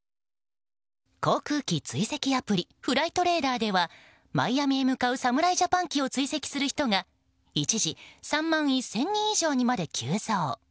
航空機追跡アプリフライトレーダーではマイアミへ向かう侍ジャパン機を追跡する人が一時３万１０００人以上にまで急増。